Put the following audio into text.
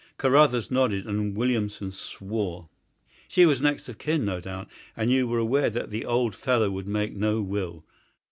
Carruthers nodded and Williamson swore. "She was next of kin, no doubt, and you were aware that the old fellow would make no will."